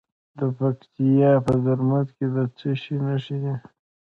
د پکتیا په زرمت کې د څه شي نښې دي؟